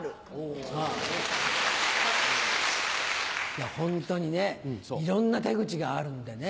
いやホントにねいろんな手口があるんでね。